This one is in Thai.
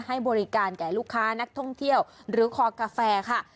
ให้บริการแก่ลูกค้านักท่องเที่ยวหรือคอกาแฟค่ะ